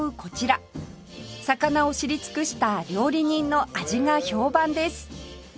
魚を知り尽くした料理人の味が評判です